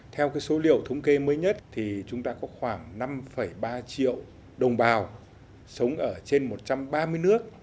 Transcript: theo số liệu thống kê mới nhất thì chúng ta có khoảng năm ba triệu đồng bào sống ở trên một trăm ba mươi nước